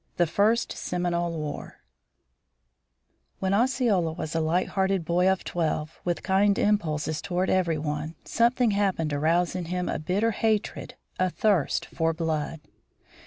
THE FIRST SEMINOLE WAR When Osceola was a light hearted boy of twelve, with kind impulses toward every one, something happened to rouse in him a bitter hatred, a thirst for blood.